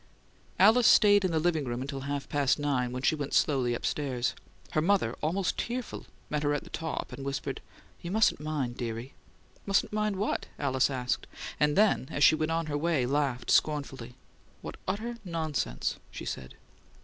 Alice stayed in the "living room" until half past nine, when she went slowly upstairs. Her mother, almost tearful, met her at the top, and whispered, "You mustn't mind, dearie." "Mustn't mind what?" Alice asked, and then, as she went on her way, laughed scornfully. "What utter nonsense!" she said.